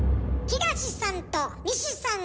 東さんと西さん？